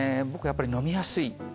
やっぱり飲みやすい。